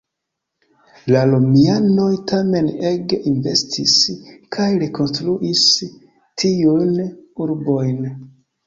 La Romianoj tamen ege investis, kaj rekonstruis tiujn urbojn.